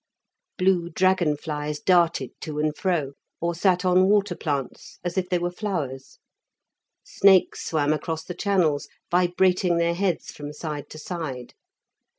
Blue dragon flies darted to and fro, or sat on water plants as if they were flowers. Snakes swam across the channels, vibrating their heads from side to side.